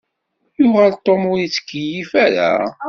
Yuɣal Tom ur ittkeyyif ara.